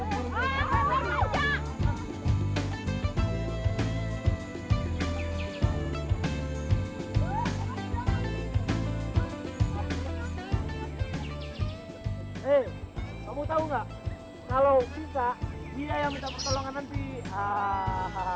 kamu tahu nggak kalau kita dia yang minta pertolongan nanti hahaha